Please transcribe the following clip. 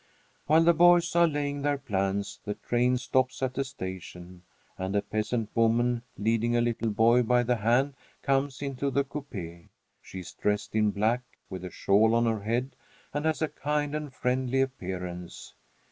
While the boys are laying their plans, the train stops at a station, and a peasant woman, leading a little boy by the hand, comes into the coupé. She is dressed in black, with a shawl on her head, and has a kind and friendly appearance.